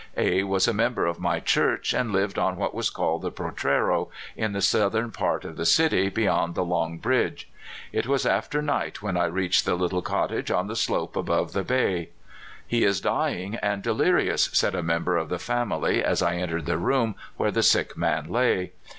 A was a member of my church, and lived on what was called the Portrero, in the southern part of the city, beyond the Long Bridge. It was after night when I reached the little cottage on the slope above the bay. '* He is dying and delirious," said a member of the family as I entered the room where the sick man lay.